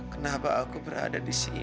kenapa aku berada di sini